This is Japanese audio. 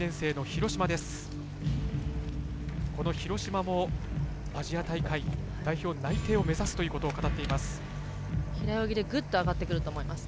廣島もアジア大会の代表内定を目指すということを語っています。